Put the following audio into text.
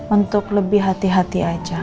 untuk lebih hati hati aja